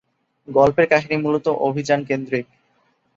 গল্পের কাহিনীটি মূলত অভিযান-কেন্দ্রিক।